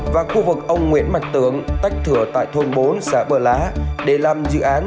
và khu vực ông nguyễn mạch tưởng tách thửa tại thôn bốn xã bờ lá để làm dự án